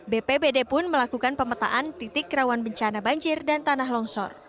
bpbd pun melakukan pemetaan titik rawan bencana banjir dan tanah longsor